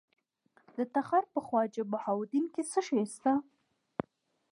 د تخار په خواجه بهاوالدین کې څه شی شته؟